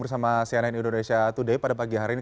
bersama cnn indonesia today pada pagi hari ini